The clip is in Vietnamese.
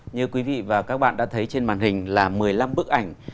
như quý vị và các bạn đã thấy trên màn hình là một mươi năm bức ảnh